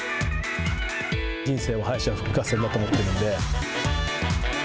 人生は敗者復活戦だと思っているので。